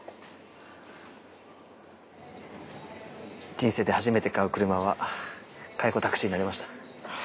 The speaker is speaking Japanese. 人生で初めて買う車は介護タクシーになりました。